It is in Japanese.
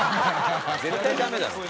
絶対ダメだろ。